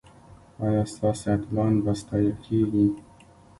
ایا ستاسو اتلان به ستایل کیږي؟